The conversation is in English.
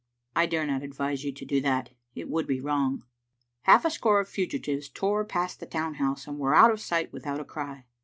" I dare not advise you to do that. It would be wrong. " Half a score of fugitives tore past the town house, and were out of sight without a cry.